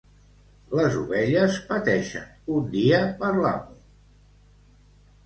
Les ovelles pateixen un dia per l'amo.